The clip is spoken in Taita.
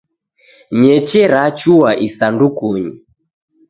Ny'eche rachua isandukunyi.